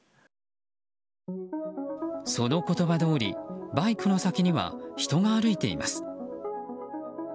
その言葉どおりバイクの先には人が歩いています。